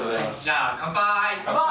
乾杯。